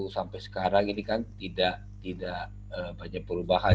sampai sekarang ini kan tidak banyak perubahan